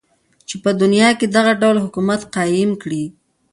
چی په دنیا کی دغه ډول حکومت قایم کړی.